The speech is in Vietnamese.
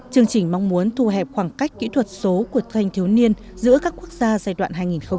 chương trình mong muốn thu hẹp khoảng cách kỹ thuật số của thanh thiếu niên giữa các quốc gia giai đoạn hai nghìn một mươi sáu hai nghìn hai mươi